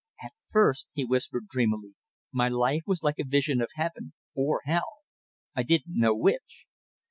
"At first," he whispered, dreamily, "my life was like a vision of heaven or hell; I didn't know which.